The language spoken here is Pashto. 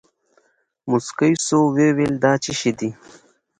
موسکى سو ويې ويل دا چي شې دي.